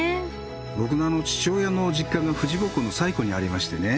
僕の父親の実家が富士五湖の西湖にありましてね